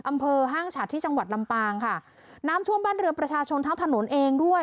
ห้างฉัดที่จังหวัดลำปางค่ะน้ำท่วมบ้านเรือนประชาชนทั้งถนนเองด้วย